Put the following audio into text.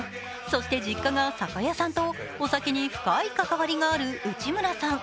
そして実家が酒屋さんとお酒に深い関わりがある内村さん。